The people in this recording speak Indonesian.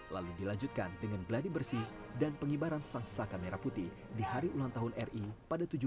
lalu dilanjutkan dengan gladi bersih dan pengibaran sang saka merah putih di hari ulang tahun ri pada tujuh belas